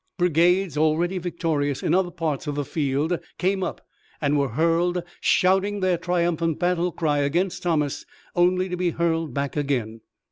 Brigades, already victorious on other parts of the field, came up, and were hurled, shouting their triumphant battle cry against Thomas, only to be hurled back again.